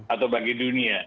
atau bagi dunia